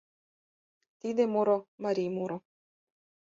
— Тиде муро — марий муро.